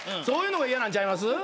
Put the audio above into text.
そういうのが嫌なんちゃいます？